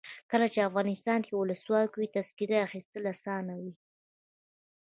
کله چې افغانستان کې ولسواکي وي تذکره اخیستل اسانه وي.